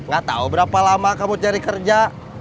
gak tahu berapa lama kamu cari kerja